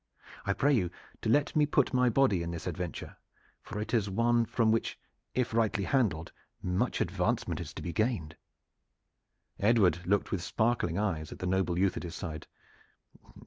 I pray you to let me put my body in this adventure, for it is one from which, if rightly handled, much advancement is to be gained." Edward looked with sparkling eyes at the noble youth at his side.